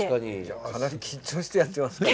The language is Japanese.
かなり緊張してやっています。